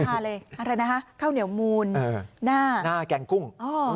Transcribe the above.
ไม่เคยทานเลยข้าวเหนียวมูลหน้าแกงกุ้ง